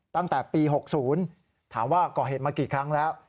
ตั้งแต่ปี๖๐ถามว่าก่อเหตุมากี่ครั้งแล้ว